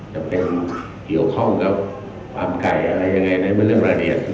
จะเป็นเกี่ยวข้องกับความไกลอะไรยังไงนะมันเรียกมาในเรียนอย่างกัน